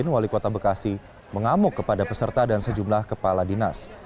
wali kota bekasi mengamuk kepada peserta dan sejumlah kepala dinas